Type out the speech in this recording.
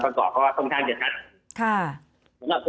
เพราะว่าต้องข้างตรงการเฉพาะอีกเหล่าน่ะ